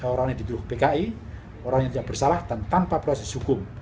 orang yang dituduh pki orang yang tidak bersalah dan tanpa proses hukum